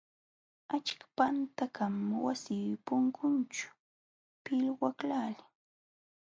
Achka panqatam wasi punkunćhu pilwaqlaalin.